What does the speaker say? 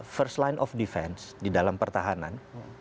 first line of defense di dalam pertahanan